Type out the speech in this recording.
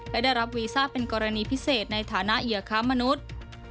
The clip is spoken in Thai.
และได้รับวีซ่าเป็นกรณีพิเศษในฐานะเหยื่อค้ามนุษย์